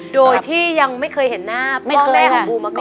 โดยที่ยังไม่เคยเห็นหน้าพ่อแม่ของบูมมาก่อน